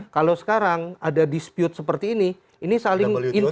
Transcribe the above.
kalau sekarang ada dispute seperti ini ini saling inti